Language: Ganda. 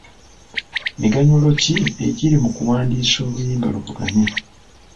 Miganyulo ki egiri mu kuwandiisa oluyimba luvuganye?